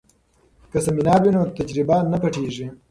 که سمینار وي نو تجربه نه پټیږي.